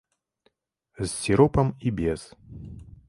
З сіропам і без.